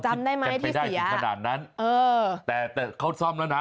จำได้ไหมที่เสียเออแต่เขาซ้อมแล้วนะ